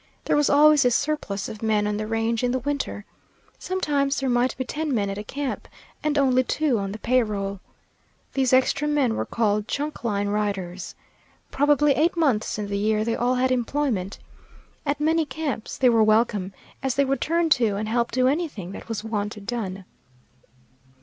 There was always a surplus of men on the range in the winter. Sometimes there might be ten men at a camp, and only two on the pay roll. These extra men were called "chuck line riders." Probably eight months in the year they all had employment. At many camps they were welcome, as they would turn to and help do anything that was wanted done.